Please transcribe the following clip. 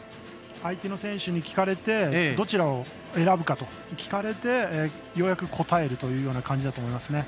相手の選手どちらを選ぶか聞かれてようやく答えるというような感じだと思います。